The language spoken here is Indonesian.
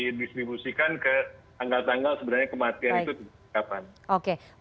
lihat biar itu tiba tiba kematian